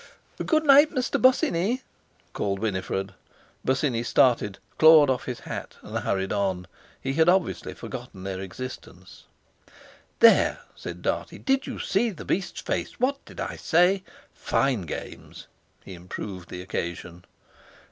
"Good night, Mr. Bosinney!" called Winifred. Bosinney started, clawed off his hat, and hurried on. He had obviously forgotten their existence. "There!" said Dartie, "did you see the beast's face? What did I say? Fine games!" He improved the occasion.